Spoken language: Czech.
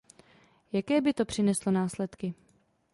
Jaké by to přineslo následky?